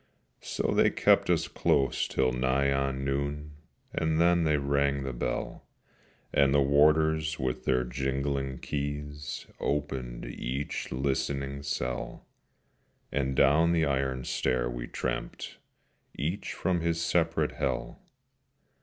So they kept us close till nigh on noon, And then they rang the bell, And the Warders with their jingling keys Opened each listening cell, And down the iron stair we tramped, Each from his separate Hell.